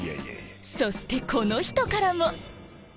そしてこの人からも！